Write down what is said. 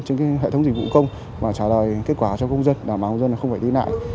trên hệ thống dịch vụ công mà trả lời kết quả cho công dân đảm bảo công dân không phải đi lại